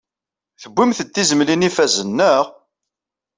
Tuwyemt-d tizmlin ifazen, naɣ?